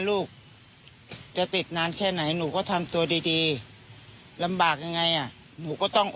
ลูกจะติดนานแค่ไหนหนูก็ทำตัวดีดีลำบากยังไงอ่ะหนูก็ต้อง